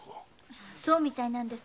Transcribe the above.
そうみたいなんです。